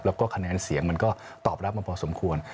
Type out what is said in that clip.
แล้วก็คะแนนเสียงมันก็ตอบรับมาพอสมควร